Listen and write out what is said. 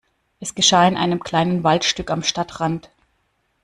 Es geschah in einem kleinen Waldstück am Stadtrand.